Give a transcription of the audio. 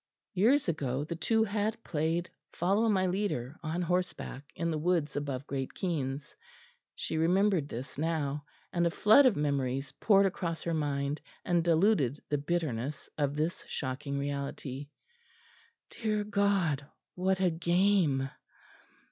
Years ago the two had played Follow my leader on horseback in the woods above Great Keynes. She remembered this now; and a flood of memories poured across her mind and diluted the bitterness of this shocking reality. Dear God, what a game!